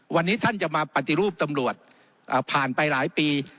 วันนี้ท่านจะมาปฏิรูปตำรวจผ่านไปหลายปี